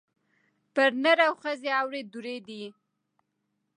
پر نر او ښځي اوري دُرې دي